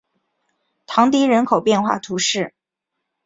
唐迪人口变化图示